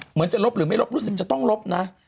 เหมือนจะลบหรือไม่ลบรู้สึกจะต้องลบนะ